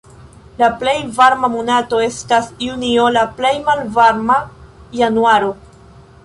La plej varma monato estas junio, la plej malvarma januaro.